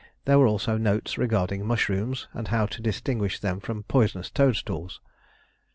There were also notes regarding mushrooms, and how to distinguish them from poisonous toadstools.